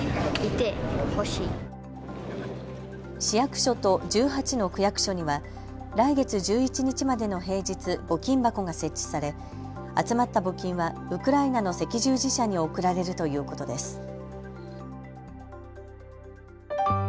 市役所と１８の区役所には来月１１日までの平日、募金箱が設置され集まった募金はウクライナの赤十字社に送られるということです。